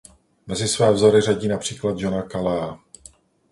Mezi své vzory řadí například Johna Calea.